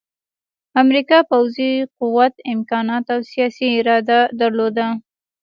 امریکا پوځي قوت، امکانات او سیاسي اراده درلوده